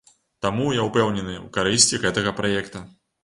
Таму я ўпэўнены ў карысці гэтага праекта.